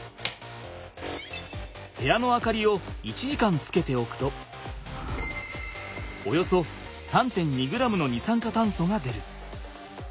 部屋の明かりを１時間つけておくとおよそ３．２ｇの二酸化炭素が出る。